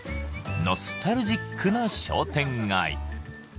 ノスタルジックな商店街